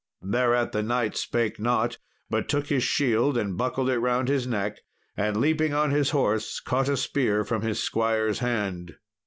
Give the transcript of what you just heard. Thereat the knight spake not, but took his shield and buckled it round his neck, and leaping on his horse caught a spear from his squire's hand.